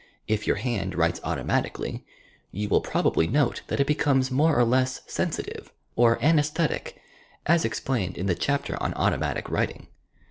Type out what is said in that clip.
If your hand writes automatically, you will probably note that it becomes more or less sensitive or anssthetic, as explained in the chapter on Automatic Writing.